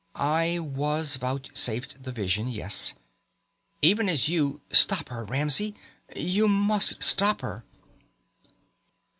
"I was vouchsafed the vision, yes. Even as you stop her, Ramsey. You must stop her!"